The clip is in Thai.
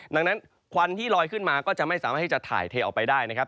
ดังนั้นควันที่ลอยขึ้นมาก็จะไม่สามารถที่จะถ่ายเทออกไปได้นะครับ